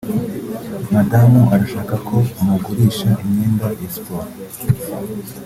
madamu arashaka ko umugurisha imyenda ya siporo